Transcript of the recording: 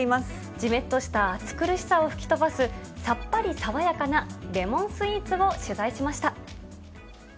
じめっとした暑苦しさを吹き飛ばす、さっぱり爽やかなレモンスイーツを取材しました。